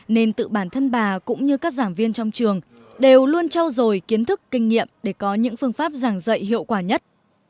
nên tự bản thân bà cũng như các giảng viên trong trường đều luôn trao dồi kiến thức kinh nghiệm để có những phương pháp giảng dạy hiệu quả nhất